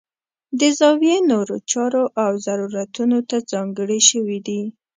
د زاویې نورو چارو او ضرورتونو ته ځانګړې شوي دي.